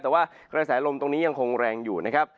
แต่ว่ากระแสลมตรงนี้ยังคงแรงอยู่นะครับ